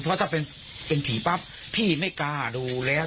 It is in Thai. เพราะถ้าเป็นผีปั๊บพี่ไม่กล้าดูแล้ว